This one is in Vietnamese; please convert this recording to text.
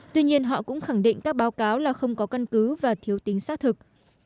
tuy nhiên họ cũng khẳng định các báo cáo là không có căn cứ và thiếu tính xác thực